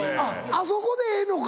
あそこでええのか。